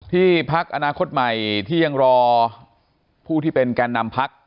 พักอนาคตใหม่ที่ยังรอผู้ที่เป็นแกนนำพัก